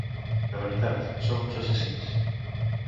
De veritat, són uns assassins.